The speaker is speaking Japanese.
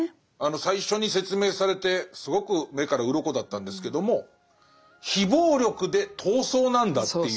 最初に説明されてすごく目から鱗だったんですけども非暴力で闘争なんだっていう。